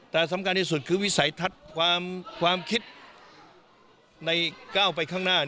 แต่สำคัญที่สุดคือวิสัยทัศน์ความคิดในก้าวไปข้างหน้า